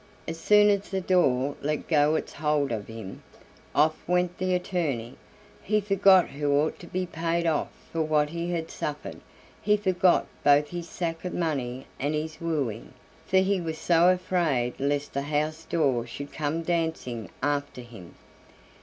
As soon as the door let go its hold of him, off went the attorney. He forgot who ought to be paid off for what he had suffered, he forgot both his sack of money and his wooing, for he was so afraid lest the house door should come dancing after him.